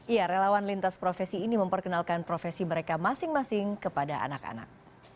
ya relawan lintas profesi ini memperkenalkan profesi mereka masing masing kepada anak anak